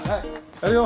やるよ。